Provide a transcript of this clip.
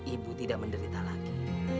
ibu tidak menderita lagi